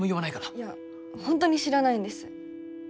いやほんとに知らないんです。